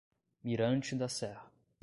Mirante da Serra